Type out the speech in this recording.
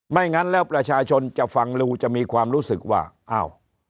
งั้นแล้วประชาชนจะฟังเร็วจะมีความรู้สึกว่าอ้าว